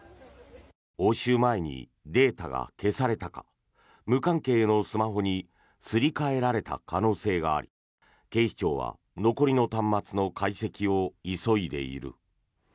押収前にデータが消されたか無関係のスマホにすり替えられた可能性があり警視庁は残りの端末の解析を急いでいる。